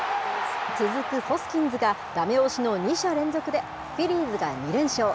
続くホスキンズが、だめ押しの２者連続でフィリーズが２連勝。